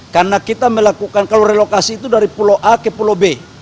karena kita melakukan kalau relokasi itu dari pulau a ke pulau b